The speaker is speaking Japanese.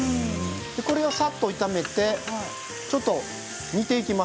これをさっと炒めてちょっと煮ていきます。